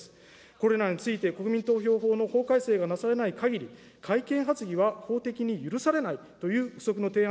これらについて国民投票法の法改正がなされないかぎり、改憲発議は法的に許されないという付則の提案